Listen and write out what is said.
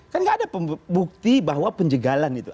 kan gak ada bukti bahwa penjagalan itu